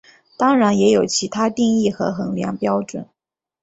当然也有其它定义和衡量标准。